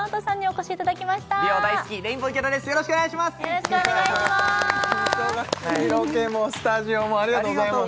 忙しいロケもスタジオもありがとうございます